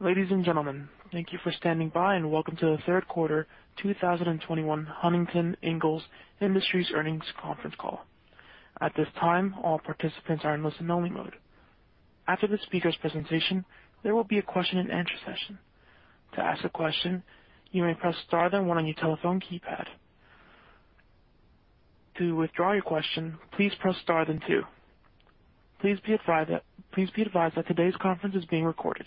Ladies and gentlemen, thank you for standing by, and welcome to the third quarter 2021 Huntington Ingalls Industries earnings conference call. At this time, all participants are in listen-only mode. After the speaker's presentation, there will be a question-and-answer session. To ask a question, you may press star then one on your telephone keypad. To withdraw your question, please press star then two. Please be advised that today's conference is being recorded.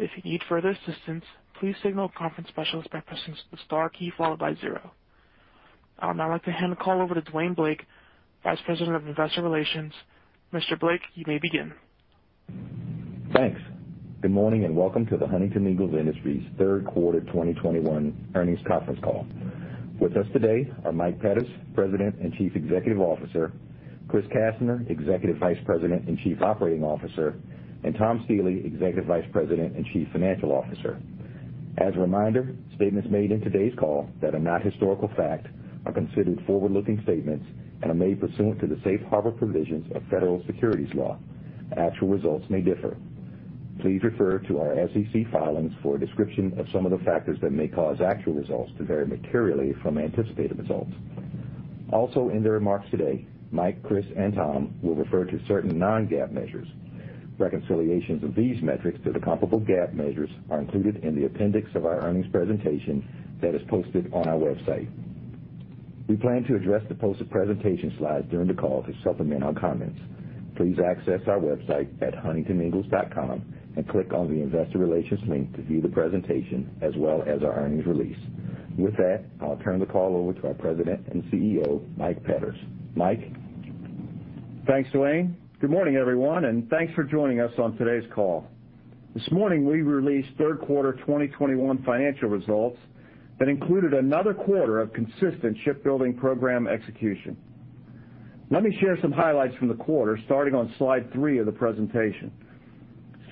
If you need further assistance, please signal a conference specialist by pressing the star key followed by zero. I would now like to hand the call over to Dwayne Blake, Vice President of Investor Relations. Mr. Blake, you may begin. Thanks. Good morning, and welcome to the Huntington Ingalls Industries third quarter 2021 earnings conference call. With us today are Mike Petters, President and Chief Executive Officer, Chris Kastner, Executive Vice President and Chief Operating Officer, and Tom Stiehle, Executive Vice President and Chief Financial Officer. As a reminder, statements made in today's call that are not historical fact are considered forward-looking statements and are made pursuant to the safe harbor provisions of federal securities law. Actual results may differ. Please refer to our SEC filings for a description of some of the factors that may cause actual results to vary materially from anticipated results. Also, in their remarks today, Mike, Chris, and Tom will refer to certain non-GAAP measures. Reconciliations of these metrics to the comparable GAAP measures are included in the appendix of our earnings presentation that is posted on our website. We plan to address the posted presentation slides during the call to supplement our comments. Please access our website at huntingtoningalls.com and click on the Investor Relations link to view the presentation as well as our earnings release. With that, I'll turn the call over to our President and CEO, Mike Petters. Mike? Thanks, Dwayne. Good morning, everyone, and thanks for joining us on today's call. This morning, we released third quarter 2021 financial results that included another quarter of consistent shipbuilding program execution. Let me share some highlights from the quarter, starting on slide three of the presentation.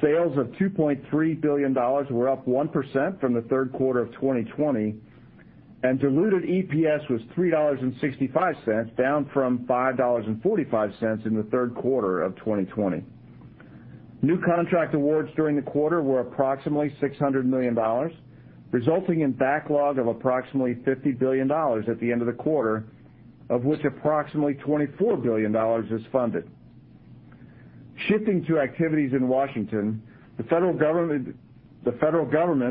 Sales of $2.3 billion were up 1% from the third quarter of 2020, and diluted EPS was $3.65, down from $5.45 in the third quarter of 2020. New contract awards during the quarter were approximately $600 million, resulting in backlog of approximately $50 billion at the end of the quarter, of which approximately $24 billion is funded. Shifting to activities in Washington, the federal government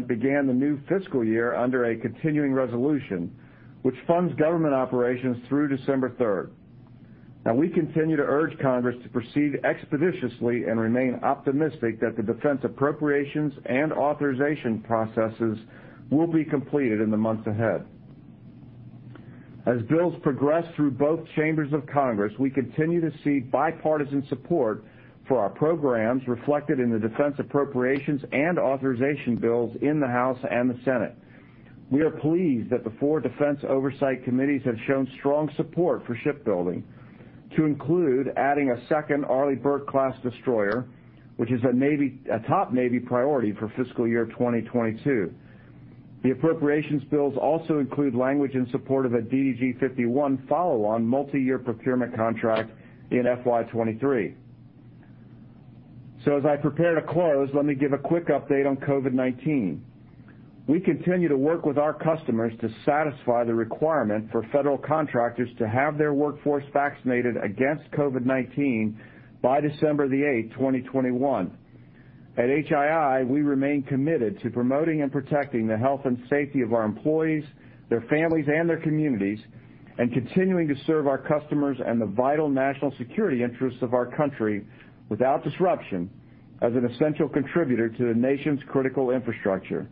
began the new fiscal year under a continuing resolution which funds government operations through December 3rd. Now, we continue to urge Congress to proceed expeditiously and remain optimistic that the defense appropriations and authorization processes will be completed in the months ahead. As bills progress through both chambers of Congress, we continue to seek bipartisan support for our programs reflected in the defense appropriations and authorization bills in the House and the Senate. We are pleased that the four defense oversight committees have shown strong support for shipbuilding to include adding a second Arleigh Burke-class destroyer, which is a top Navy priority for fiscal year 2022. The appropriations bills also include language in support of a DDG 51 follow-on multiyear procurement contract in FY 2023. As I prepare to close, let me give a quick update on COVID-19. We continue to work with our customers to satisfy the requirement for federal contractors to have their workforce vaccinated against COVID-19 by December 8, 2021. At HII, we remain committed to promoting and protecting the health and safety of our employees, their families, and their communities, and continuing to serve our customers and the vital national security interests of our country without disruption as an essential contributor to the nation's critical infrastructure.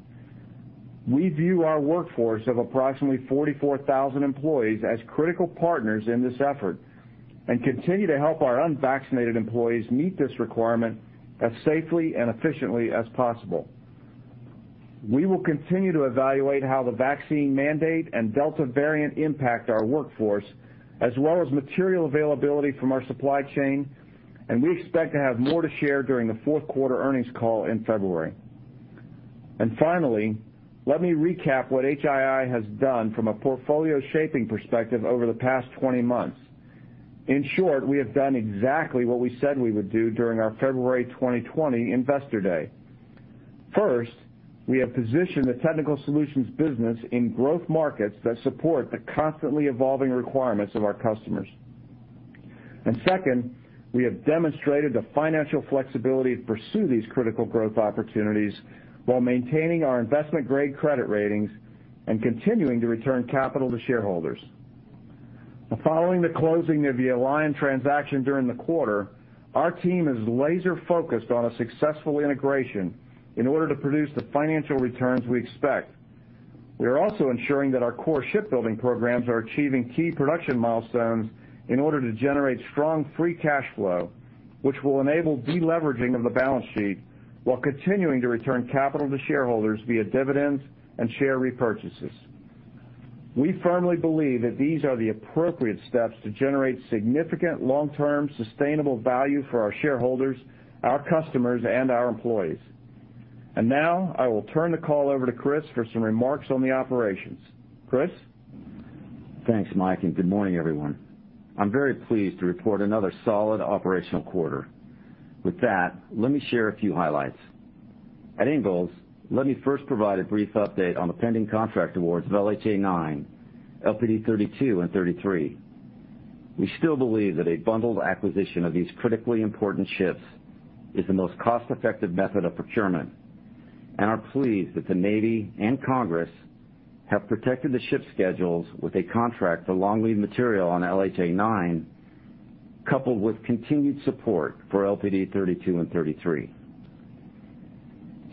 We view our workforce of approximately 44,000 employees as critical partners in this effort and continue to help our unvaccinated employees meet this requirement as safely and efficiently as possible. We will continue to evaluate how the vaccine mandate and Delta variant impact our workforce as well as material availability from our supply chain, and we expect to have more to share during the fourth quarter earnings call in February. Finally, let me recap what HII has done from a portfolio-shaping perspective over the past 20 months. In short, we have done exactly what we said we would do during our February 2020 Investor Day. First, we have positioned the Technical Solutions business in growth markets that support the constantly evolving requirements of our customers. Second, we have demonstrated the financial flexibility to pursue these critical growth opportunities while maintaining our investment-grade credit ratings and continuing to return capital to shareholders. Now, following the closing of the Alion transaction during the quarter, our team is laser-focused on a successful integration in order to produce the financial returns we expect. We are also ensuring that our core shipbuilding programs are achieving key production milestones in order to generate strong free cash flow, which will enable de-leveraging of the balance sheet while continuing to return capital to shareholders via dividends and share repurchases. We firmly believe that these are the appropriate steps to generate significant long-term sustainable value for our shareholders, our customers, and our employees. Now I will turn the call over to Chris for some remarks on the operations. Chris? Thanks, Mike, and good morning, everyone. I'm very pleased to report another solid operational quarter. With that, let me share a few highlights. At Ingalls, let me first provide a brief update on the pending contract awards of LHA 9, LPD 32 and 33. We still believe that a bundled acquisition of these critically important ships is the most cost-effective method of procurement, and are pleased that the Navy and Congress have protected the ship schedules with a contract for long lead material on LHA-9, coupled with continued support for LPD 32 and 33.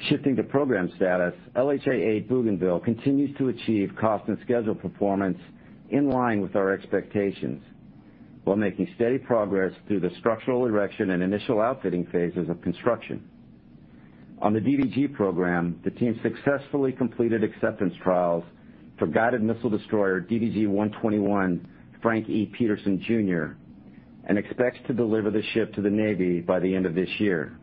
Shifting to program status, LHA 8 Bougainville continues to achieve cost and schedule performance in line with our expectations, while making steady progress through the structural erection and initial outfitting phases of construction. On the DDG program, the team successfully completed acceptance trials for guided missile destroyer DDG 121, Frank E. Petersen Jr., and expects to deliver the ship to the Navy by the end of this year.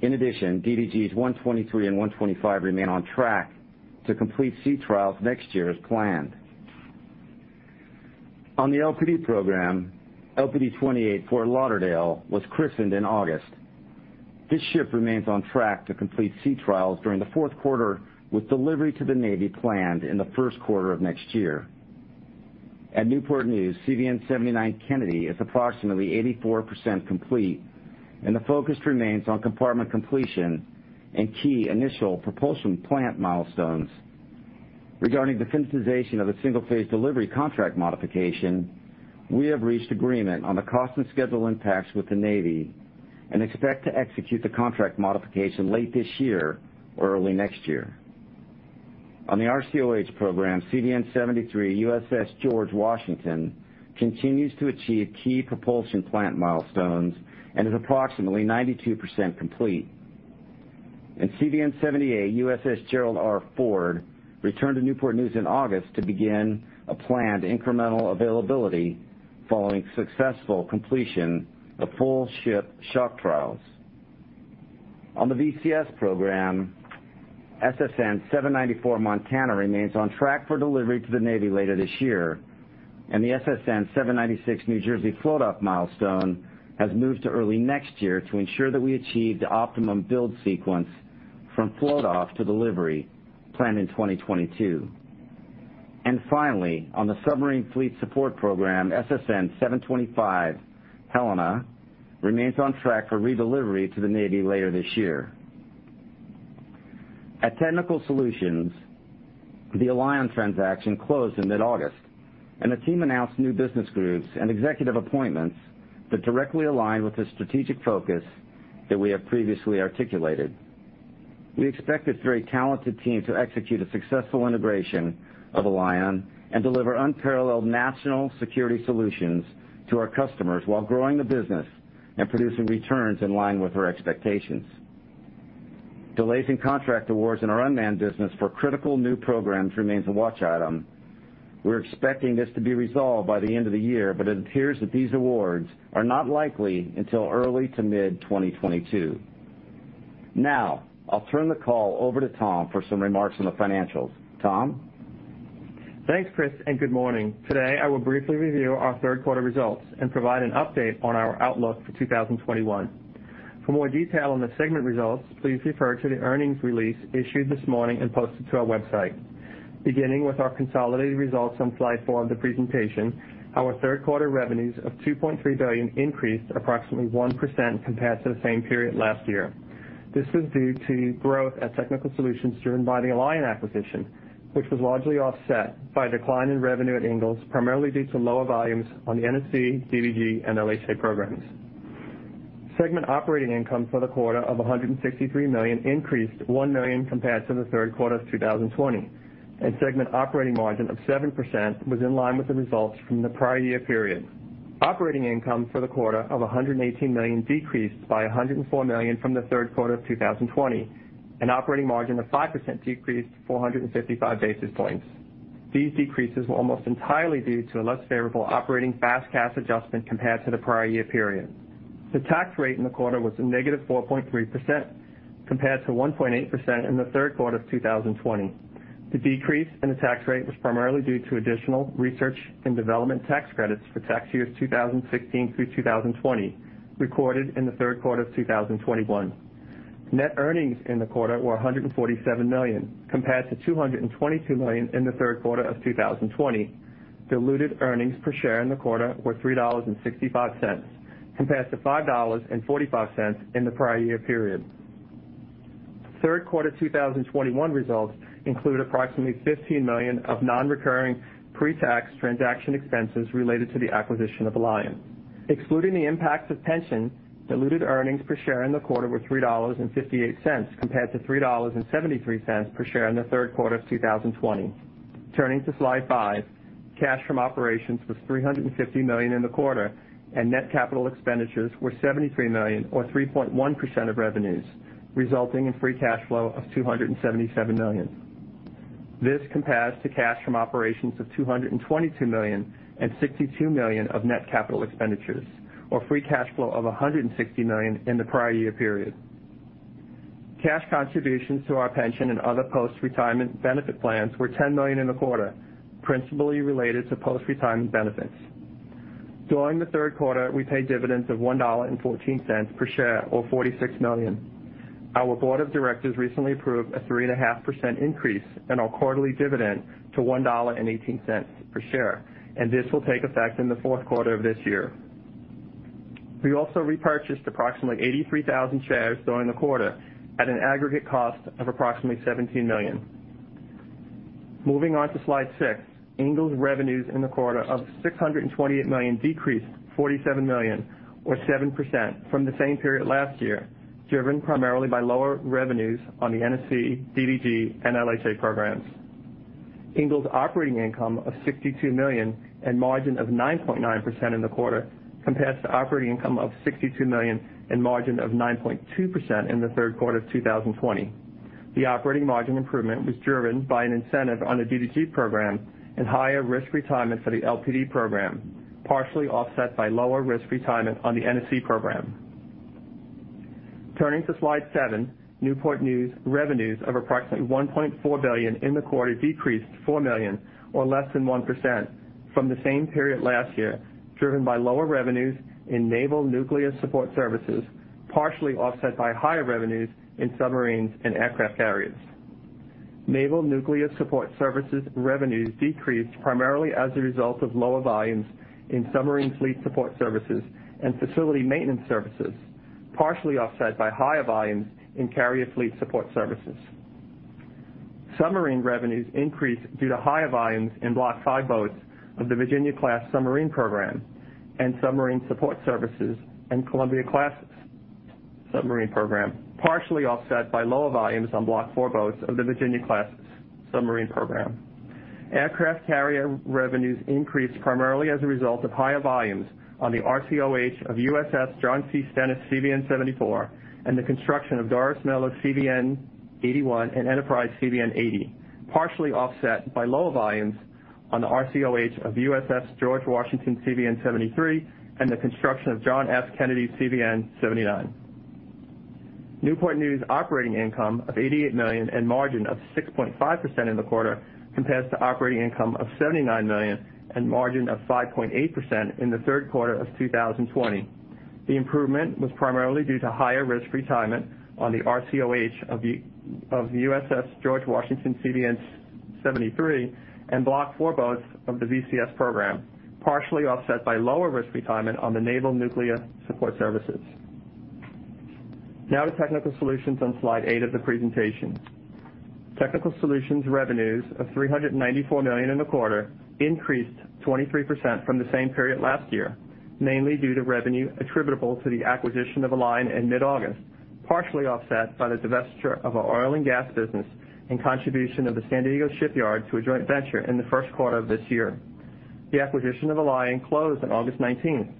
In addition, DDG 123 and DDG 125 remain on track to complete sea trials next year as planned. On the LPD program, LPD 28 Fort Lauderdale was christened in August. This ship remains on track to complete sea trials during the fourth quarter, with delivery to the Navy planned in the first quarter of next year. At Newport News, CVN 79 Kennedy is approximately 84% complete, and the focus remains on compartment completion and key initial propulsion plant milestones. Regarding the finalization of a single-phase delivery contract modification, we have reached agreement on the cost and schedule impacts with the Navy and expect to execute the contract modification late this year or early next year. On the RCOH program, CVN 73 USS George Washington continues to achieve key propulsion plant milestones and is approximately 92% complete. CVN 78 USS Gerald R. Ford returned to Newport News in August to begin a planned incremental availability following successful completion of full ship shock trials. On the VCS program, SSN 794 Montana remains on track for delivery to the Navy later this year, and the SSN 796 New Jersey float off milestone has moved to early next year to ensure that we achieve the optimum build sequence from float off to delivery planned in 2022. Finally, on the submarine fleet support program, SSN 725 Helena remains on track for redelivery to the Navy later this year. At Technical Solutions, the Alion transaction closed in mid-August, and the team announced new business groups and executive appointments that directly align with the strategic focus that we have previously articulated. We expect this very talented team to execute a successful integration of Alion and deliver unparalleled national security solutions to our customers while growing the business and producing returns in line with our expectations. Delays in contract awards in our unmanned business for critical new programs remains a watch item. We're expecting this to be resolved by the end of the year, but it appears that these awards are not likely until early to mid-2022. Now, I'll turn the call over to Tom for some remarks on the financials. Tom? Thanks, Chris, and good morning. Today, I will briefly review our third quarter results and provide an update on our outlook for 2021. For more detail on the segment results, please refer to the earnings release issued this morning and posted to our website. Beginning with our consolidated results on slide four of the presentation, our third quarter revenues of $2.3 billion increased approximately 1% compared to the same period last year. This was due to growth at Technical Solutions driven by the Alion acquisition, which was largely offset by a decline in revenue at Ingalls, primarily due to lower volumes on the NSC, DDG, and LHA programs. Segment operating income for the quarter of $163 million increased $1 million compared to the third quarter of 2020, and segment operating margin of 7% was in line with the results from the prior year period. Operating income for the quarter of $118 million decreased by $104 million from the third quarter of 2020, and operating margin of 5% decreased 455 basis points. These decreases were almost entirely due to a less favorable operating FAS/CAS adjustment compared to the prior year period. The tax rate in the quarter was a -4.3% compared to 1.8% in the third quarter of 2020. The decrease in the tax rate was primarily due to additional research and development tax credits for tax years 2016 through 2020, recorded in the third quarter of 2021. Net earnings in the quarter were $147 million, compared to $222 million in the third quarter of 2020. Diluted earnings per share in the quarter were $3.65, compared to $5.45 in the prior year period. Third quarter 2021 results include approximately $15 million of non-recurring pre-tax transaction expenses related to the acquisition of Alion. Excluding the impact of pension, diluted earnings per share in the quarter were $3.58 compared to $3.73 per share in the third quarter of 2020. Turning to slide five. Cash from operations was $350 million in the quarter, and net capital expenditures were $73 million or 3.1% of revenues, resulting in free cash flow of $277 million. This compares to cash from operations of $222 million and $62 million of net capital expenditures or free cash flow of $160 million in the prior year period. Cash contributions to our pension and other post-retirement benefit plans were $10 million in the quarter, principally related to post-retirement benefits. During the third quarter, we paid dividends of $1.14 per share, or $46 million. Our board of directors recently approved a 3.5% increase in our quarterly dividend to $1.18 per share, and this will take effect in the fourth quarter of this year. We also repurchased approximately 83,000 shares during the quarter at an aggregate cost of approximately $17 million. Moving on to Slide six. Ingalls revenues in the quarter of $628 million decreased $47 million or 7% from the same period last year, driven primarily by lower revenues on the NSC, DDG, and LHA programs. Ingalls operating income of $62 million and margin of 9.9% in the quarter compares to operating income of $62 million and margin of 9.2% in the third quarter of 2020. The operating margin improvement was driven by an incentive on the DDG program and higher risk retirement for the LPD program, partially offset by lower risk retirement on the NSC program. Turning to Slide seven. Newport News revenues of approximately $1.4 billion in the quarter decreased $4 million or less than 1% from the same period last year, driven by lower revenues in naval nuclear support services, partially offset by higher revenues in submarines and aircraft carriers. Naval nuclear support services revenues decreased primarily as a result of lower volumes in submarine fleet support services and facility maintenance services, partially offset by higher volumes in carrier fleet support services. Submarine revenues increased due to higher volumes in Block V boats of the Virginia-class submarine program and submarine support services and Columbia-class submarine program, partially offset by lower volumes on Block IV boats of the Virginia-class submarine program. Aircraft carrier revenues increased primarily as a result of higher volumes on the RCOH of USS John C. Stennis CVN 74 and the construction of Doris Miller CVN 81 and Enterprise CVN 80, partially offset by lower volumes on the RCOH of USS George Washington CVN 73 and the construction of John F. Kennedy CVN 79. Newport News operating income of $88 million and margin of 6.5% in the quarter compares to operating income of $79 million and margin of 5.8% in the third quarter of 2020. The improvement was primarily due to higher risk retirement on the RCOH of USS George Washington CVN 73 and Block IV boats of the VCS program, partially offset by lower risk retirement on the naval nuclear support services. Now to Technical Solutions on slide eight of the presentation. Technical Solutions revenues of $394 million in the quarter increased 23% from the same period last year, mainly due to revenue attributable to the acquisition of Alion in mid-August, partially offset by the divestiture of our oil and gas business and contribution of the San Diego shipyard to a joint venture in the first quarter of this year. The acquisition of Alion closed on August 19,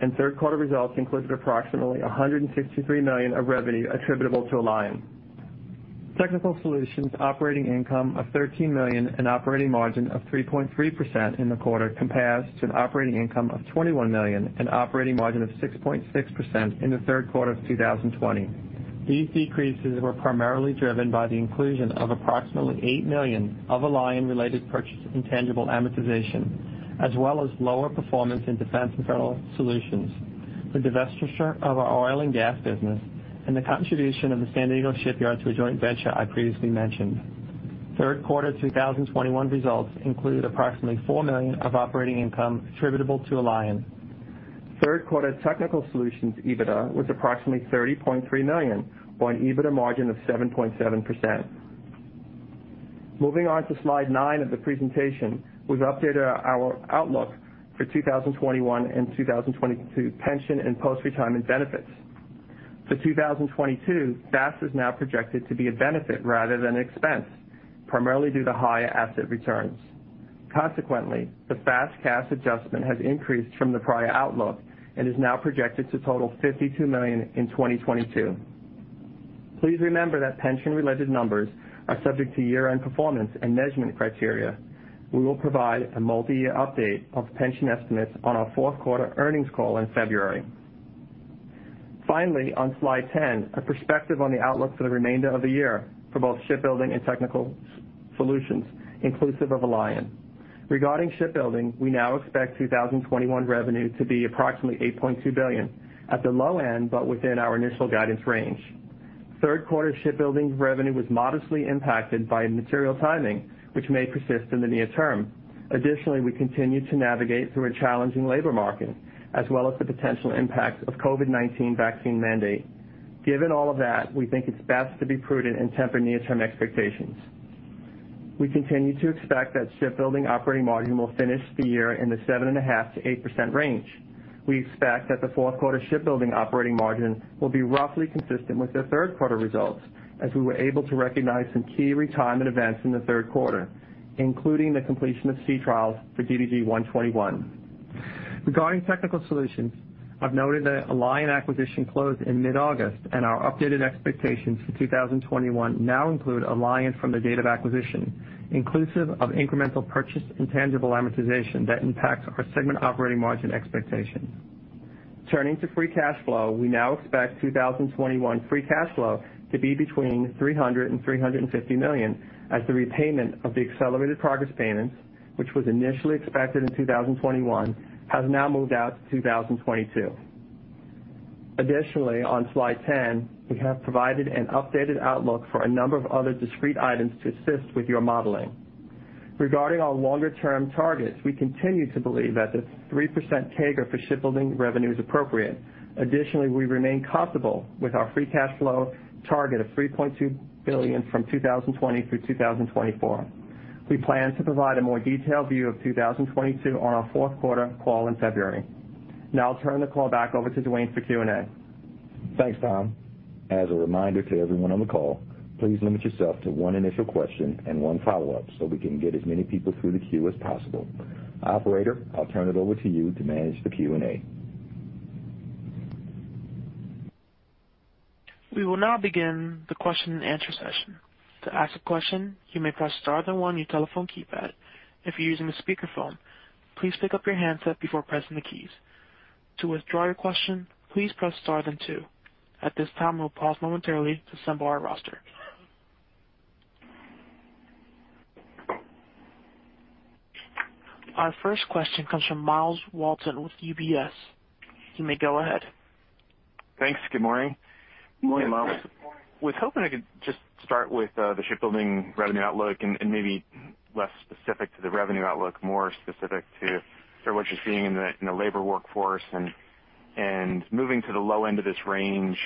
and third quarter results included approximately $163 million of revenue attributable to Alion. Technical Solutions operating income of $13 million and operating margin of 3.3% in the quarter compares to an operating income of $21 million and operating margin of 6.6% in the third quarter of 2020. These decreases were primarily driven by the inclusion of approximately $8 million of Alion-related purchased intangible amortization, as well as lower performance in Defense and Federal Solutions, the divestiture of our oil and gas business, and the contribution of the San Diego shipyard to a joint venture I previously mentioned. Third quarter 2021 results included approximately $4 million of operating income attributable to Alion. Third quarter Technical Solutions EBITDA was approximately $30.3 million, on EBITDA margin of 7.7%. Moving on to slide nine of the presentation, we've updated our outlook for 2021 and 2022 pension and post-retirement benefits. For 2022, FAS is now projected to be a benefit rather than an expense, primarily due to higher asset returns. Consequently, the FAS/CAS adjustment has increased from the prior outlook and is now projected to total $52 million in 2022. Please remember that pension-related numbers are subject to year-end performance and measurement criteria. We will provide a multiyear update of pension estimates on our fourth quarter earnings call in February. Finally, on slide 10, a perspective on the outlook for the remainder of the year for both Shipbuilding and Technical Solutions, inclusive of Alion. Regarding Shipbuilding, we now expect 2021 revenue to be approximately $8.2 billion at the low end, but within our initial guidance range. Third quarter Shipbuilding revenue was modestly impacted by material timing, which may persist in the near term. Additionally, we continue to navigate through a challenging labor market, as well as the potential impact of COVID-19 vaccine mandate. Given all of that, we think it's best to be prudent and temper near-term expectations. We continue to expect that Shipbuilding operating margin will finish the year in the 7.5%-8% range. We expect that the fourth quarter Shipbuilding operating margin will be roughly consistent with the third quarter results, as we were able to recognize some key retirement events in the third quarter, including the completion of sea trials for DDG-121. Regarding Technical Solutions, I've noted that Alion acquisition closed in mid-August, and our updated expectations for 2021 now include Alion from the date of acquisition, inclusive of incremental purchase and tangible amortization that impacts our segment operating margin expectations. Turning to free cash flow. We now expect 2021 free cash flow to be between $300 million and $350 million as the repayment of the accelerated progress payments, which was initially expected in 2021, has now moved out to 2022. Additionally, on slide 10, we have provided an updated outlook for a number of other discrete items to assist with your modeling. Regarding our longer-term targets, we continue to believe that the 3% CAGR for shipbuilding revenue is appropriate. Additionally, we remain comfortable with our free cash flow target of $3.2 billion from 2020 through 2024. We plan to provide a more detailed view of 2022 on our fourth quarter call in February. Now I'll turn the call back over to Dwayne for Q&A. Thanks, Tom. As a reminder to everyone on the call, please limit yourself to one initial question and one follow-up so we can get as many people through the queue as possible. Operator, I'll turn it over to you to manage the Q&A. We will now begin the question and answer session. To ask a question, you may press star then one on your telephone keypad. If you're using a speakerphone, please pick up your handset before pressing the keys. To withdraw your question, please press star then two. At this time, we'll pause momentarily to assemble our roster. Our first question comes from Myles Walton with UBS. You may go ahead. Thanks. Good morning. Good morning, Myles. Was hoping I could just start with the shipbuilding revenue outlook and maybe less specific to the revenue outlook, more specific to what you're seeing in the labor workforce. Moving to the low end of this range,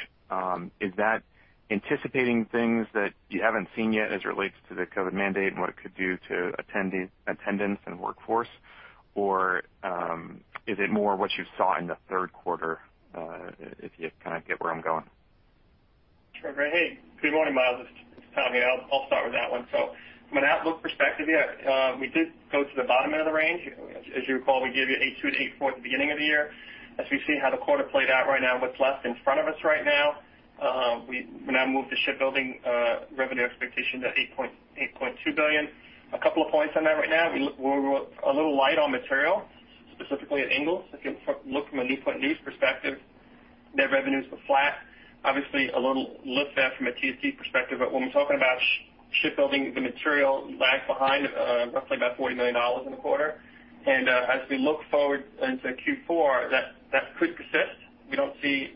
is that anticipating things that you haven't seen yet as it relates to the COVID mandate and what it could do to attendance and workforce? Or is it more what you saw in the third quarter? If you kind of get where I'm going. Sure, hey, good morning, Myles. It's Tom here. I'll start with that one. From an outlook perspective, we did go to the bottom end of the range. As you recall, we gave you $8.2 billion-$8.4 billion at the beginning of the year. As we've seen how the quarter played out right now, what's left in front of us right now, we now move the shipbuilding revenue expectation to $8.2 billion. A couple of points on that right now. We're a little light on material, specifically at Ingalls. If you look from a Newport News perspective, net revenues were flat. Obviously a little lift there from a TSD perspective. But when we're talking about shipbuilding, the material lags behind roughly about $40 million in the quarter. As we look forward into Q4, that could persist. We don't see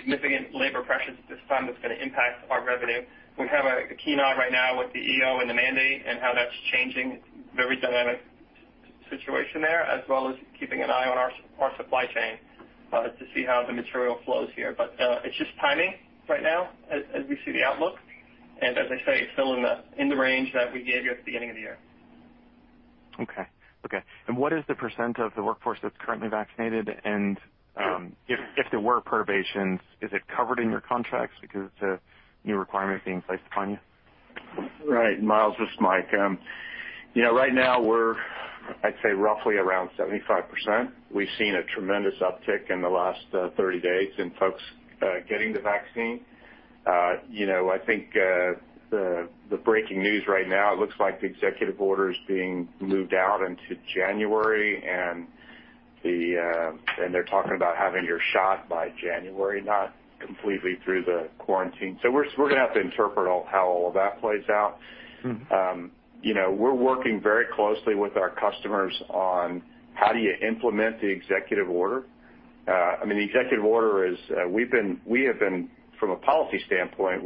significant labor pressures at this time that's gonna impact our revenue. We have a keen eye right now with the EO and the mandate and how that's changing. Very dynamic situation there, as well as keeping an eye on our supply chain to see how the material flows here. It's just timing right now as we see the outlook, and as I say, still in the range that we gave you at the beginning of the year. Okay. Okay. What is the percent of the workforce that's currently vaccinated? If there were provisions, is it covered in your contracts because it's a new requirement being placed upon you? Right. Myles, this is Mike. You know, right now we're, I'd say, roughly around 75%. We've seen a tremendous uptick in the last 30 days in folks getting the vaccine. You know, I think the breaking news right now, it looks like the executive order is being moved out into January and they're talking about having your shot by January, not completely through the quarantine. We're gonna have to interpret how all of that plays out. You know, we're working very closely with our customers on how do you implement the executive order. I mean, the executive order is, we have been, from a policy standpoint,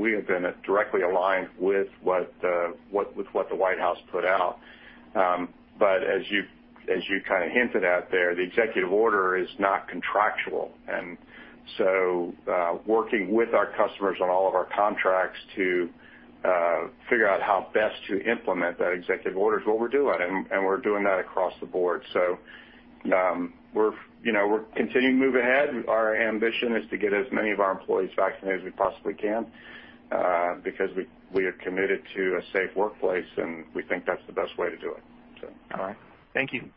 directly aligned with what the White House put out. But as you kind of hinted at there, the executive order is not contractual. Working with our customers on all of our contracts to figure out how best to implement that executive order is what we're doing, and we're doing that across the board. You know, we're continuing to move ahead. Our ambition is to get as many of our employees vaccinated as we possibly can, because we are committed to a safe workplace, and we think that's the best way to do it. All right. Thank you.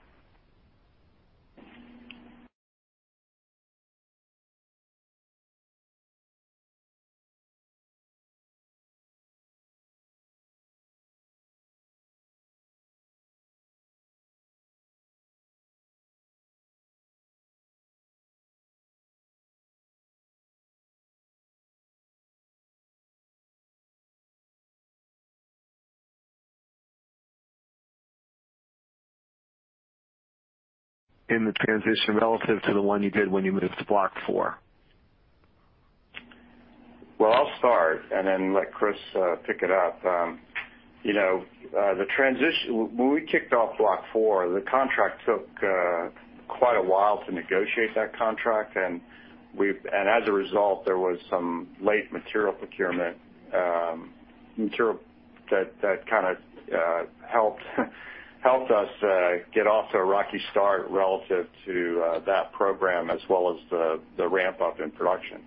In the transition relative to the one you did when you moved to Block IV. Well, I'll start and then let Chris pick it up. You know, the transition. When we kicked off Block IV, the contract took quite a while to negotiate that contract. As a result, there was some late material procurement, material that kinda helped us get off to a rocky start relative to that program as well as the ramp-up in production.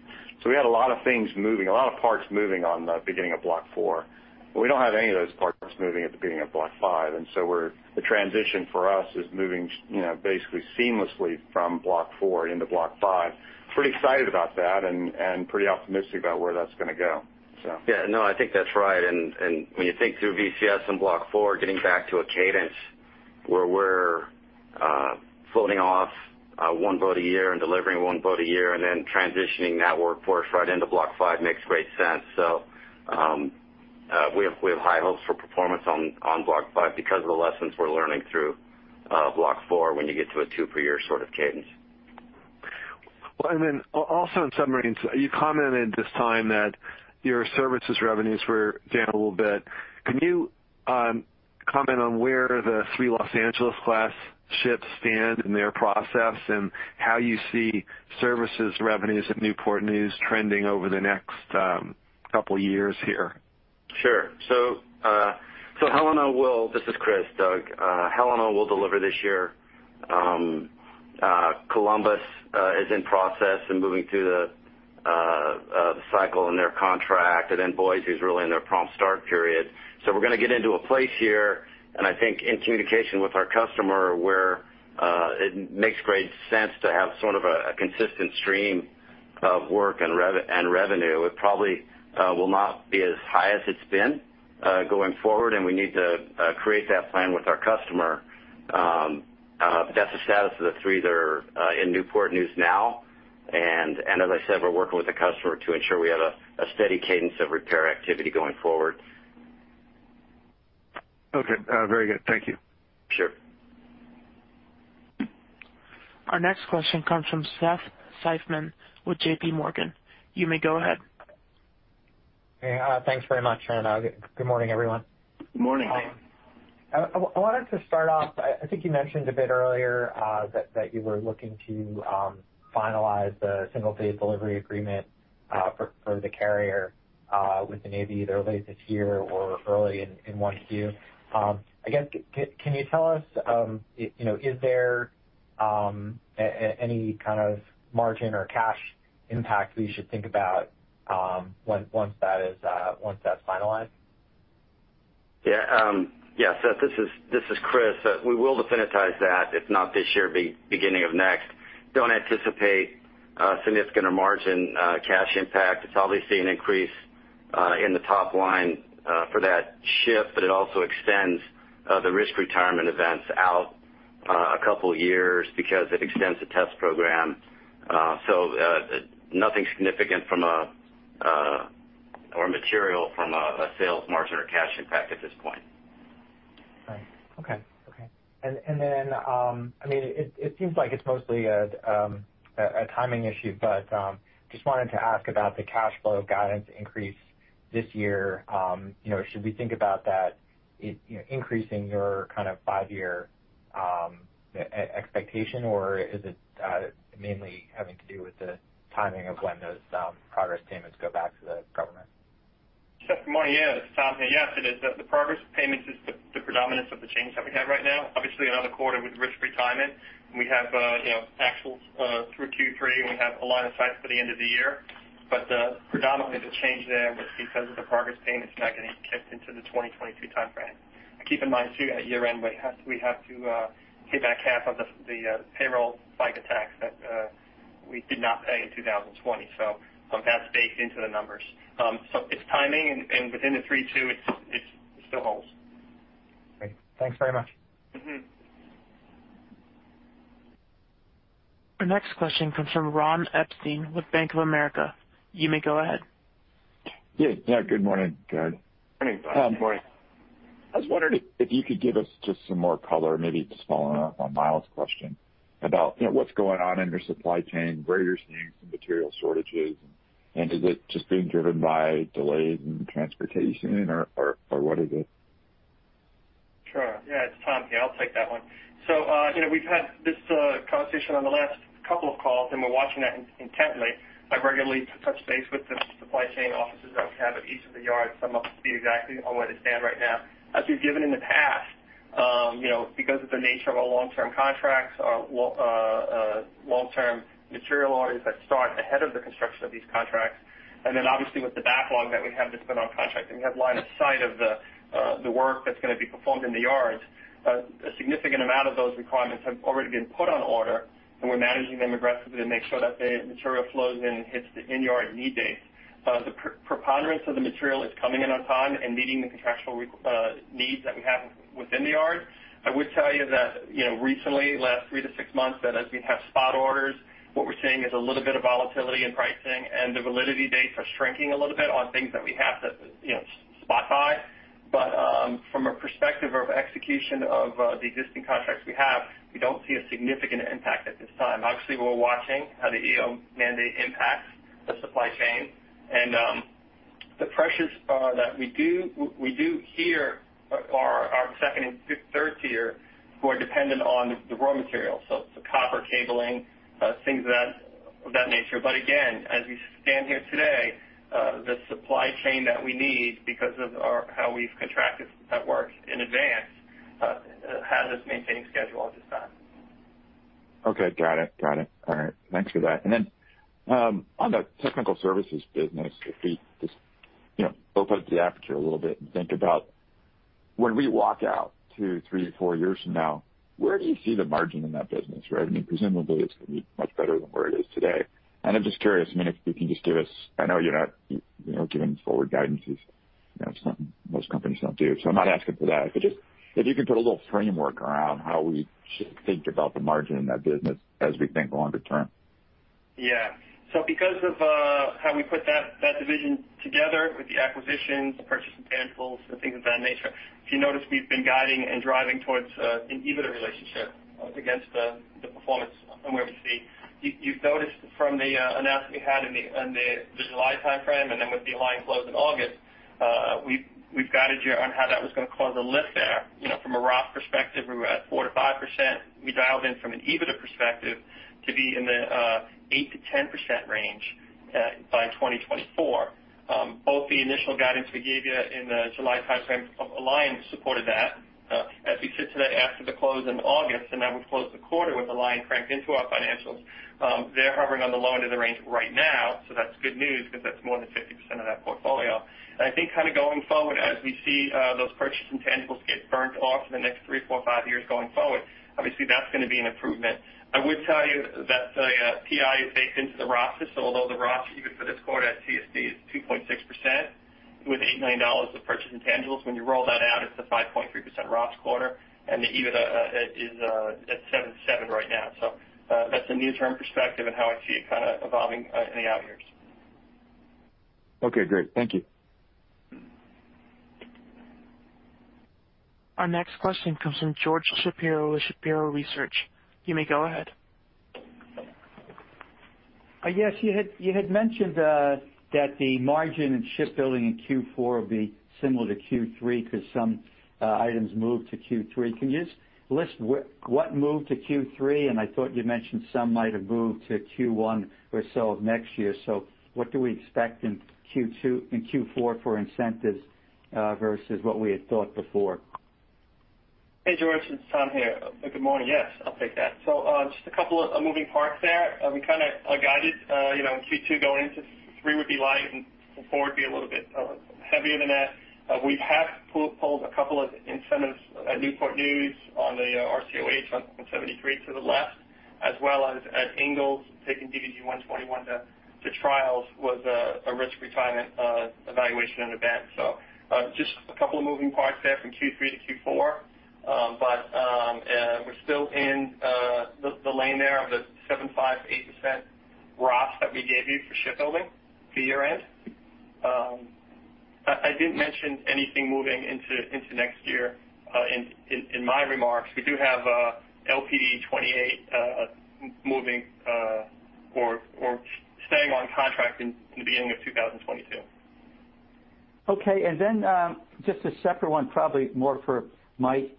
We had a lot of things moving, a lot of parts moving on the beginning of Block IV, but we don't have any of those parts moving at the beginning of Block V. The transition for us is moving, you know, basically seamlessly from Block IV into Block V. Pretty excited about that and pretty optimistic about where that's gonna go, so. Yeah, no, I think that's right. When you think through VCS and Block IV, getting back to a cadence where we're floating off one boat a year and delivering one boat a year and then transitioning that workforce right into Block V makes great sense. We have high hopes for performance on Block V because of the lessons we're learning through Block IV when you get to a two per year sort of cadence. Well, also on submarines, you commented this time that your services revenues were down a little bit. Can you comment on where the three Los Angeles-class ships stand in their process and how you see services revenues at Newport News trending over the next couple years here? Sure. This is Chris, Doug. Helena will deliver this year. Columbus is in process and moving through the cycle in their contract. Boise is really in their prompt start period. We're gonna get into a place here, and I think in communication with our customer, where it makes great sense to have sort of a consistent stream of work and revenue. It probably will not be as high as it's been going forward, and we need to create that plan with our customer. That's the status of the three that are in Newport News now. As I said, we're working with the customer to ensure we have a steady cadence of repair activity going forward. Okay. Very good. Thank you. Sure. Our next question comes from Seth Seifman with J.P. Morgan. You may go ahead. Hey, thanks very much. Good morning, everyone. Good morning. I wanted to start off, I think you mentioned a bit earlier, that you were looking to finalize the single phase delivery agreement for the carrier with the Navy either late this year or early in 1Q. I guess, can you tell us, you know, is there any kind of margin or cash impact we should think about once that's finalized? Yeah. Yeah, Seth, this is Chris. We will definitize that, if not this year, beginning of next. Don't anticipate a significant margin or cash impact. It's obviously an increase in the top line for that ship, but it also extends the risk retirement events out a couple years because it extends the test program. Nothing significant or material from a sales, margin or cash impact at this point. Right. Okay. I mean, it seems like it's mostly a timing issue, but just wanted to ask about the cash flow guidance increase this year. You know, should we think about that, you know, increasing your kind of five-year expectation, or is it mainly having to do with the timing of when those progress payments go back to the government? Seth, good morning. Yeah, it's Tom here. Yes, it is. The progress payments is the predominance of the change that we have right now. Obviously, another quarter with risk retirement. We have actuals through Q3, and we have a line of sight for the end of the year. Predominantly the change there was because of the progress payments that are getting kicked into the 2022 timeframe. Keep in mind, too, at year-end, we have to pay back half of the payroll FICA tax that we did not pay in 2020. That's baked into the numbers. It's timing and within the 3Q, it still holds. Great. Thanks very much. Mm-hmm. Our next question comes from Ron Epstein with Bank of America. You may go ahead. Yeah. Yeah, good morning, guys. Morning, Ron. Good morning. I was wondering if you could give us just some more color, maybe just following up on Myles' question about, you know, what's going on in your supply chain, where you're seeing some material shortages, and is it just being driven by delays in transportation or what is it? Sure. Yeah, it's Tom here. I'll take that one. You know, we've had this, conversation on the last couple of calls, and we're watching that intently. I regularly touch base with the supply chain offices that we have at each of the yards to be exactly on where they stand right now. As we've given in the past, you know, because of the nature of our long-term contracts, our long-term material orders that start ahead of the construction of these contracts, and then obviously with the backlog that we have that's been on contract and we have line of sight of the work that's gonna be performed in the yards, a significant amount of those requirements have already been put on order, and we're managing them aggressively to make sure that the material flows in and hits the in-yard need dates. The preponderance of the material is coming in on time and meeting the contractual needs that we have within the yard. I would tell you that, you know, recently, last 3-6 months, that as we have spot orders, what we're seeing is a little bit of volatility in pricing and the validity dates are shrinking a little bit on things that we have to, you know, spot buy. But from a perspective of execution of the existing contracts we have, we don't see a significant impact at this time. Obviously, we're watching how the EO mandate impacts the supply chain. The pressures that we do hear are our second and third tier who are dependent on the raw materials. It's the copper cabling, things of that nature. Again, as we stand here today, the supply chain that we need because of our, how we've contracted that work in advance, has us maintaining schedule at this time. Okay. Got it. All right. Thanks for that. Then, on the Technical services business, if we just, you know, open up the aperture a little bit and think about when we walk out two, three, four years from now, where do you see the margin in that business, right? I mean, presumably, it's gonna be much better than where it is today. I'm just curious, I mean, if you can just give us. I know you're not, you know, giving forward guidance is, you know, something most companies don't do, so I'm not asking for that. If you could put a little framework around how we should think about the margin in that business as we think longer term. Yeah. Because of how we put that division together with the acquisitions, the purchase intangibles, the things of that nature, if you notice, we've been guiding and driving towards an EBITDA relationship against the performance and where we see. You've noticed from the announcement we had in the July time frame, and then with the Alion close in August, we've guided you on how that was gonna close the lift there. You know, from a ROS perspective, we were at 4%-5%. We dialed in from an EBITDA perspective to be in the 8%-10% range by 2024. Both the initial guidance we gave you in the July time frame of Alion supported that. As we sit today after the close in August, and now we've closed the quarter with Alion cranked into our financials, they're hovering on the low end of the range right now, so that's good news because that's more than 50% of that portfolio. I think kinda going forward, as we see, those purchase intangibles get burnt off in the next three, four, five years going forward, obviously that's gonna be an improvement. I would tell you that the PI is baked into the ROS system. Although the ROS, even for this quarter at TSD, is 2.6% with $8 million of purchase intangibles, when you roll that out, it's a 5.3% ROS quarter, and the EBITDA is at $77 million right now. That's a near-term perspective and how I see it kinda evolving in the out years. Okay, great. Thank you. Our next question comes from George Shapiro with Shapiro Research. You may go ahead. Yes, you had mentioned that the margin in shipbuilding in Q4 will be similar to Q3 because some items moved to Q3. Can you just list what moved to Q3? I thought you mentioned some might have moved to Q1 or so of next year. What do we expect in Q4 for incentives versus what we had thought before? Hey, George, it's Tom here. Good morning. Yes, I'll take that. Just a couple of moving parts there. We kinda guided, you know, in Q2 going into Q3 would be light and Q4 would be a little bit heavier than that. We have pulled a couple of incentives at Newport News on the RCOH on 73 to the left, as well as at Ingalls, taking DDG 121 to trials was a risk retirement evaluation in event. Just a couple of moving parts there from Q3 to Q4. We're still in the lane there of the 7.5%-8% ROS that we gave you for shipbuilding for year-end. I didn't mention anything moving into next year in my remarks. We do have LPD 28 moving or staying on contract in the beginning of 2022. Okay. Just a separate one, probably more for Mike.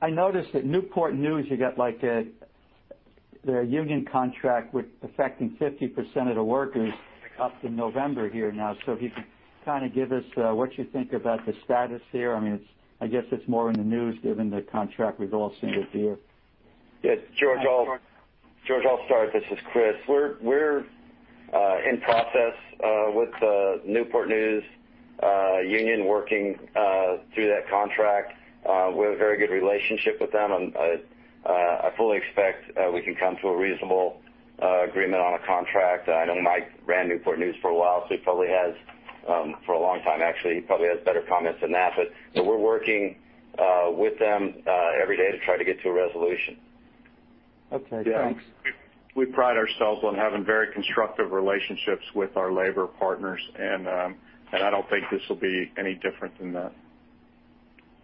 I noticed at Newport News you got like their union contract that's affecting 50% of the workers up to November here now. If you can kinda give us what you think about the status here. I mean, it's more in the news given the contract was also this year. Yes. George, I'll start. This is Chris. We're in process with the Newport News union working through that contract. We have a very good relationship with them, and I fully expect we can come to a reasonable agreement on a contract. I know Mike ran Newport News for a while, so for a long time, actually, he probably has better comments than that. We're working with them every day to try to get to a resolution. Okay, thanks. Yeah. We pride ourselves on having very constructive relationships with our labor partners, and I don't think this will be any different than that.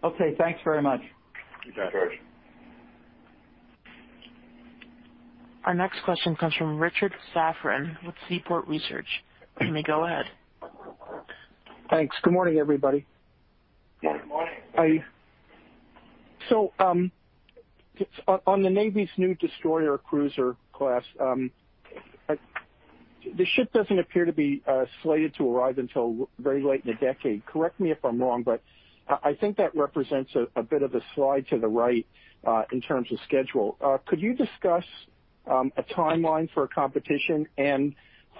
Okay, thanks very much. You bet, George. Our next question comes from Richard Safran with Seaport Research. You may go ahead. Thanks. Good morning, everybody. Good morning. On the Navy's new destroyer cruiser class, the ship doesn't appear to be slated to arrive until very late in the decade. Correct me if I'm wrong, but I think that represents a bit of a slide to the right in terms of schedule. Could you discuss a timeline for a competition?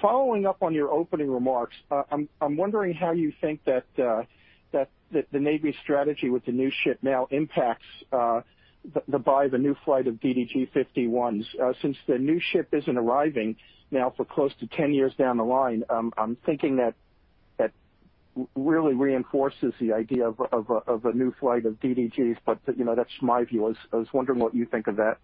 Following up on your opening remarks, I'm wondering how you think that the Navy's strategy with the new ship now impacts the buy of a new flight of DDG 51s. Since the new ship isn't arriving now for close to 10 years down the line, I'm thinking that really reinforces the idea of a new flight of DDGs, but you know, that's my view. I was wondering what you think of that.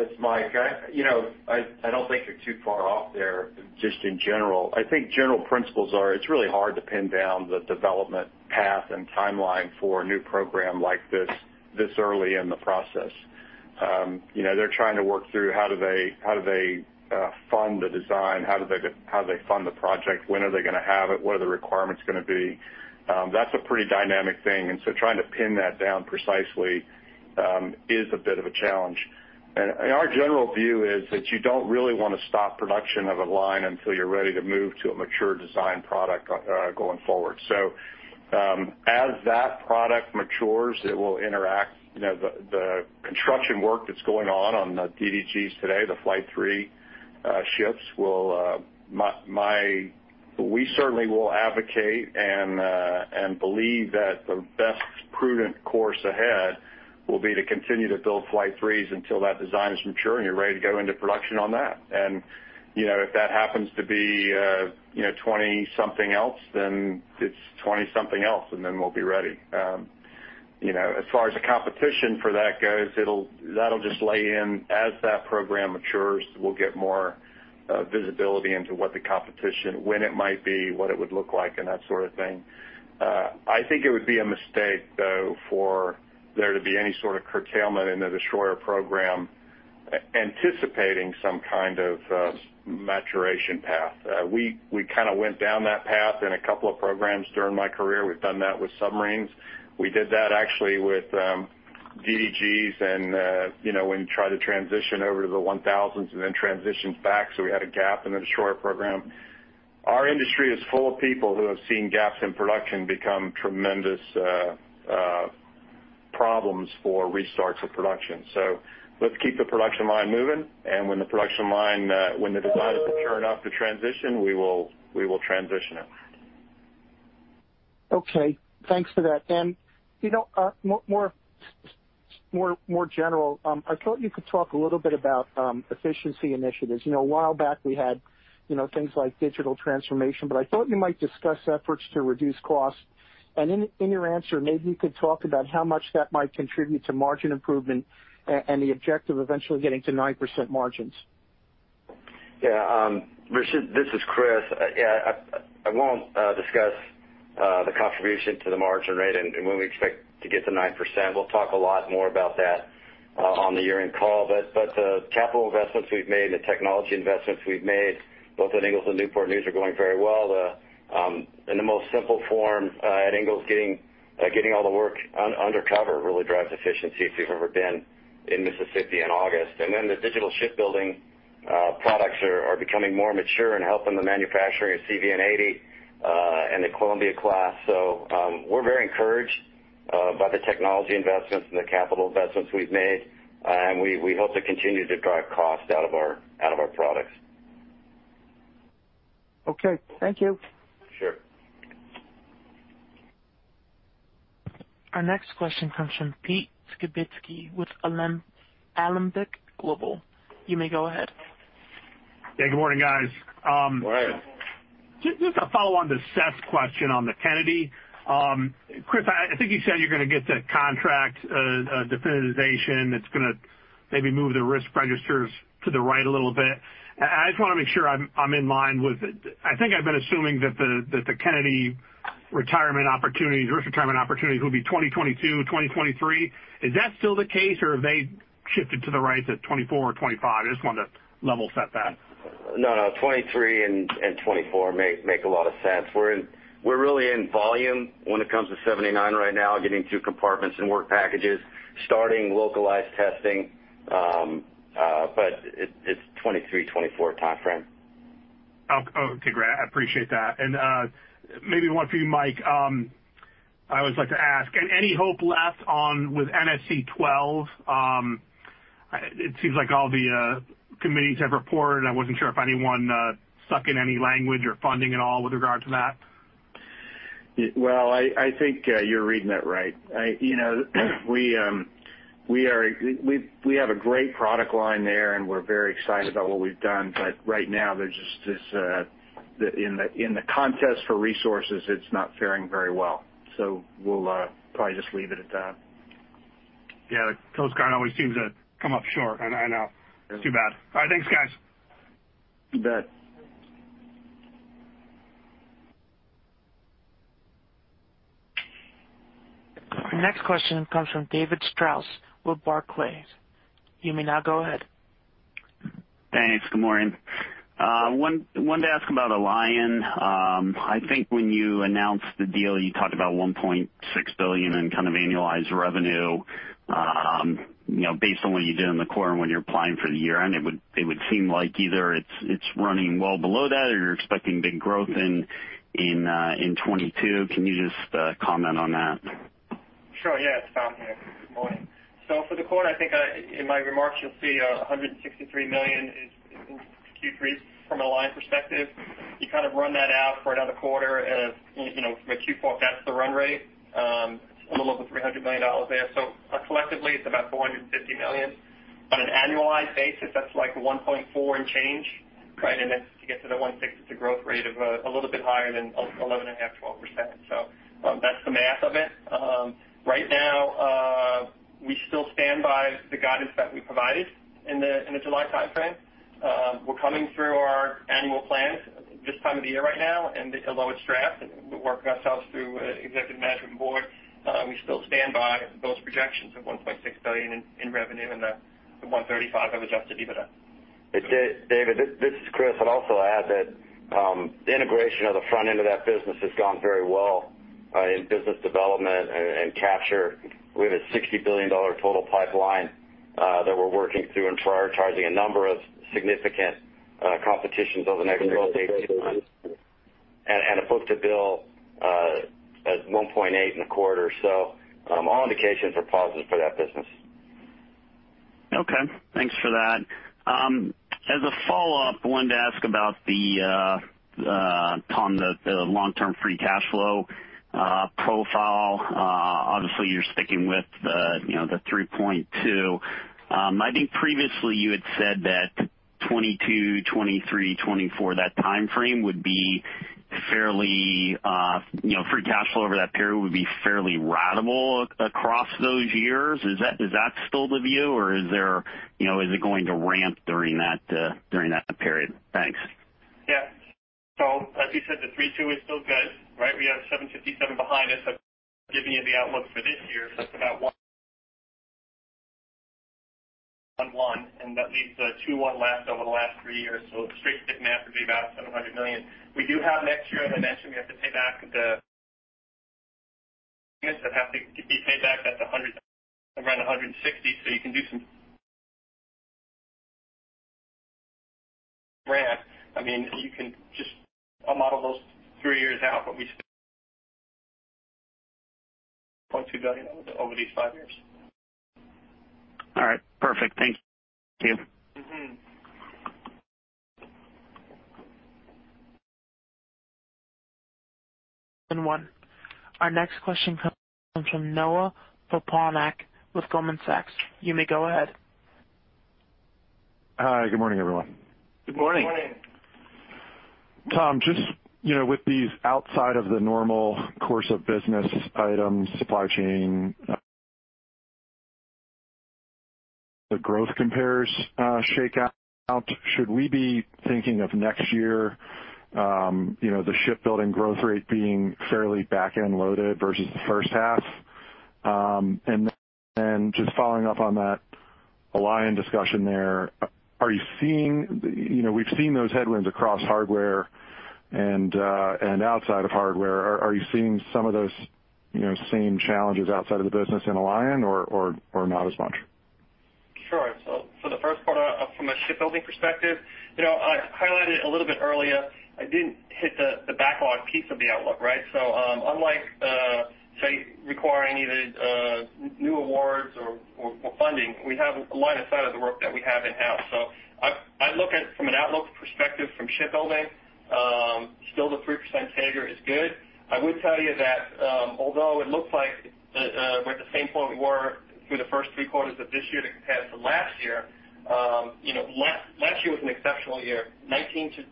It's Mike. You know, I don't think you're too far off there just in general. I think general principles are it's really hard to pin down the development path and timeline for a new program like this early in the process. You know, they're trying to work through how do they fund the design, how do they fund the project, when are they gonna have it, what are the requirements gonna be. That's a pretty dynamic thing. Trying to pin that down precisely is a bit of a challenge. Our general view is that you don't really wanna stop production of a line until you're ready to move to a mature design product going forward. As that product matures, it will interact. You know, the construction work that's going on on the DDGs today, the Flight III ships. We certainly will advocate and believe that the best prudent course ahead will be to continue to build Flight IIIs until that design is mature and you're ready to go into production on that. You know, if that happens to be 20-something else, then it's 20-something else, and then we'll be ready. You know, as far as the competition for that goes, that'll just lie in. As that program matures, we'll get more visibility into what the competition, when it might be, what it would look like and that sort of thing. I think it would be a mistake, though, for there to be any sort of curtailment in the destroyer program anticipating some kind of maturation path. We kind of went down that path in a couple of programs during my career. We've done that with submarines. We did that actually with DDGs and you know, when you try to transition over to the one thousands and then transitions back, so we had a gap in the destroyer program. Our industry is full of people who have seen gaps in production become tremendous problems for restarts of production. Let's keep the production line moving and when the production line, when they decide to turn off the transition, we will transition it. Okay, thanks for that. You know, more general, I thought you could talk a little bit about efficiency initiatives. You know, a while back we had, you know, things like digital transformation, but I thought you might discuss efforts to reduce costs. In your answer, maybe you could talk about how much that might contribute to margin improvement and the objective eventually getting to 9% margins. Yeah. Richard, this is Chris. Yeah, I won't discuss the contribution to the margin rate and when we expect to get to 9%. We'll talk a lot more about that on the year-end call. The capital investments we've made, the technology investments we've made both at Ingalls and Newport News are going very well. In the most simple form, at Ingalls, getting all the work undercover really drives efficiency if you've ever been in Mississippi in August. Then the digital shipbuilding products are becoming more mature and helping the manufacturing of CVN 80 and the Columbia-class. We're very encouraged by the technology investments and the capital investments we've made, and we hope to continue to drive costs out of our products. Okay, thank you. Sure. Our next question comes from Pete Skibitski with Alembic Global Advisors. You may go ahead. Yeah, good morning, guys. Go ahead. Just a follow on to Seth's question on the Kennedy. Chris, I think you said you're gonna get the contract definitization that's gonna maybe move the risk registers to the right a little bit. I just wanna make sure I'm in line with it. I think I've been assuming that the Kennedy risk retirement opportunities will be 2022, 2023. Is that still the case or have they shifted to the right to 2024 or 2025? I just wanted to level set that. No, 23 and 24 make a lot of sense. We're really in volume when it comes to 79 right now, getting two compartments and work packages, starting localized testing, but it's 23-24 timeframe. Okay, great. I appreciate that. Maybe one for you, Mike. I always like to ask, any hope left on with NSC 12? It seems like all the committees have reported. I wasn't sure if anyone stuck in any language or funding at all with regard to that. Well, I think you're reading it right. You know, we have a great product line there, and we're very excited about what we've done. But right now, there's just this in the contest for resources. It's not faring very well. We'll probably just leave it at that. Yeah. The Coast Guard always seems to come up short. I know. It's too bad. All right. Thanks, guys. You bet. Our next question comes from David Strauss with Barclays. You may now go ahead. Thanks. Good morning. Wanted to ask about Alion. I think when you announced the deal, you talked about $1.6 billion in kind of annualized revenue. You know, based on what you did in the quarter and when you're applying for the year-end, it would seem like either it's running well below that or you're expecting big growth in 2022. Can you just comment on that? Sure, yeah. It's Tom here. Good morning. For the quarter, I think, in my remarks, you'll see, $163 million is Q3 from Alion perspective. You kind of run that out for another quarter. As you know, for Q4, that's the run rate, a little over $300 million there. Collectively, it's about $450 million. On an annualized basis, that's like $1.4 and change, right? Then to get to the $160, it's a growth rate of, a little bit higher than 11.5%, 12%. That's the math of it. Right now, we still stand by the guidance that we provided in the July timeframe. We're coming through our annual plans this time of the year right now and although it's draft, we're working ourselves through executive management board, we still stand by those projections of $1.6 billion in revenue and the $135 million of Adjusted EBITDA. Hey, David, this is Chris. I'd also add that the integration of the front end of that business has gone very well in business development and capture. We have a $60 billion total pipeline that we're working through and prioritizing a number of significant competitions over the next 12-18 months. A book-to-bill at 1.8 in a quarter. All indications are positive for that business. Okay. Thanks for that. As a follow-up, I wanted to ask about Tom, the long-term free cash flow profile. Obviously, you're sticking with the 3.2. I think previously you had said that 2022, 2023, 2024, that timeframe would be fairly free cash flow over that period would be fairly ratable across those years. Is that still the view or is there, you know, is it going to ramp during that period? Thanks. Yeah. As you said, the 32 is still good, right? We have $757 million behind us, giving you the outlook for this year. That's about $1.1 billion and that leaves the $2.1 billion left over the last three years. Straight math would be about $700 million. We do have next year, as I mentioned, we have to pay back the debt that have to be paid back. That's $100 million, around $160 million. You can do some ramp. I mean, you can just model those three years out, but we spend $0.2 billion over these five years. All right. Perfect. Thank you. Our next question comes from Noah Poponak with Goldman Sachs. You may go ahead. Hi. Good morning, everyone. Good morning. Good morning. Tom, just, you know, with these outside of the normal course of business items, supply chain, the growth compares, shakeout, should we be thinking of next year, you know, the shipbuilding growth rate being fairly back-end loaded versus the first half? Just following up on that Alion discussion there, are you seeing? You know, we've seen those headwinds across hardware and outside of hardware. Are you seeing some of those, you know, same challenges outside of the business in Alion or not as much? Sure. For the first part, from a shipbuilding perspective, you know, I highlighted a little bit earlier. I didn't hit the backlog piece of the outlook, right? Unlike, say requiring either new awards or funding, we have a line of sight of the work that we have in-house. I look at from an outlook perspective from shipbuilding, still the 3% CAGR is good. I would tell you that, although it looks like we're at the same point we were through the first three quarters of this year compared to last year, you know, last year was an exceptional year. 2018 to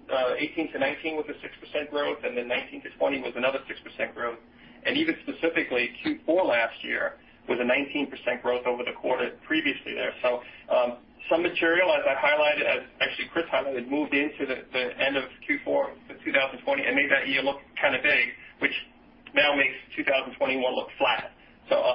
2019 was a 6% growth, and then 2019 to 2020 was another 6% growth. Even specifically, Q4 last year was a 19% growth over the quarter previously there. Some material, as I highlighted, as actually Chris highlighted, moved into the end of Q4 2020 and made that year look kind of big, which now makes 2021 look flat.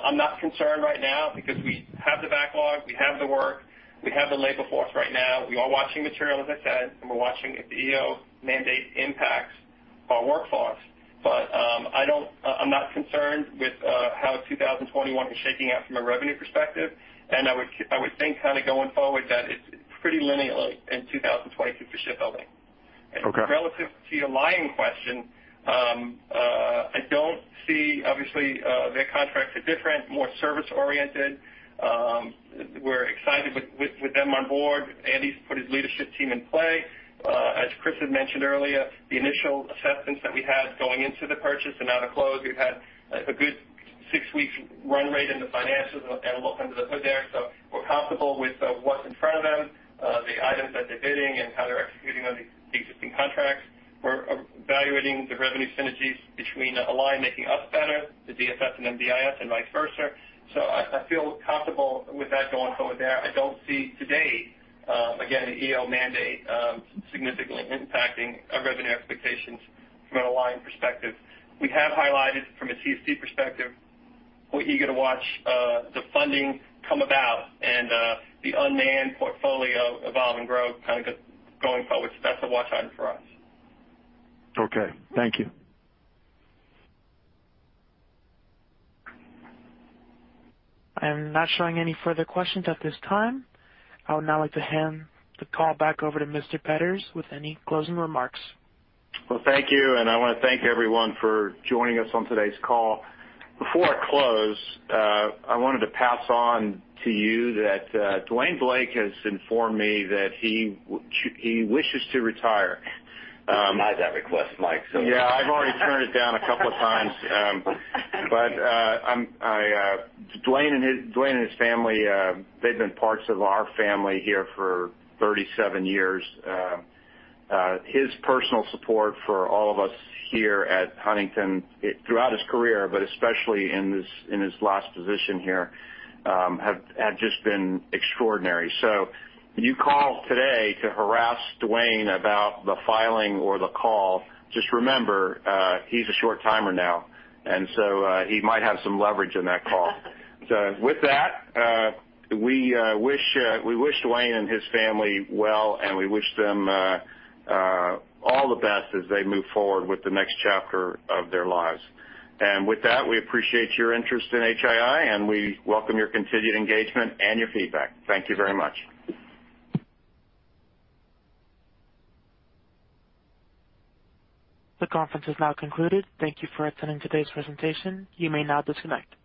I'm not concerned right now because we have the backlog, we have the work, we have the labor force right now. We are watching material, as I said, and we're watching if the EO mandate impacts our workforce. I don't I'm not concerned with how 2021 is shaking out from a revenue perspective. I would think kind of going forward that it's pretty linearly in 2022 for shipbuilding. Okay. Relative to your Alion question, I don't see obviously, their contracts are different, more service-oriented. We're excited with them on board. Andy's put his leadership team in play. As Chris had mentioned earlier, the initial assessments that we had going into the purchase and out of close, we've had a good six weeks run rate in the financials and look under the hood there. We're comfortable with what's in front of them, the items that they're bidding and how they're executing on the existing contracts. We're evaluating the revenue synergies between Alion making us better, the DFS and MDIS and vice versa. I feel comfortable with that going forward there. I don't see today, again, an EO mandate, significantly impacting our revenue expectations from an Alion perspective. We have highlighted from a TSC perspective, we're eager to watch the funding come about and the unmanned portfolio evolve and grow kind of going forward. That's a watch item for us. Okay, thank you. I'm not showing any further questions at this time. I would now like to hand the call back over to Mr. Petters with any closing remarks. Well, thank you. I want to thank everyone for joining us on today's call. Before I close, I wanted to pass on to you that Dwayne Blake has informed me that he wishes to retire. Deny that request, Mike, so. Yeah, I've already turned it down a couple of times. Dwayne and his family have been parts of our family here for 37 years. His personal support for all of us here at Huntington throughout his career, but especially in this, in his last position here, have just been extraordinary. When you call today to harass Dwayne about the filing or the call, just remember, he's a short-timer now, and so he might have some leverage in that call. With that, we wish Dwayne and his family well, and we wish them all the best as they move forward with the next chapter of their lives. With that, we appreciate your interest in HII, and we welcome your continued engagement and your feedback. Thank you very much. The conference is now concluded. Thank you for attending today's presentation. You may now disconnect.